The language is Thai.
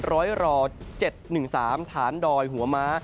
ร้อยรอ๗๑๓ฐานดอยหัวม้า